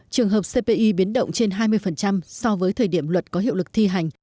trường hợp cpi biến động trên hai mươi so với thời điểm luật có hiệu lực thi hành